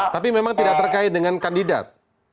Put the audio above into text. tapi memang tidak terkait dengan kandidat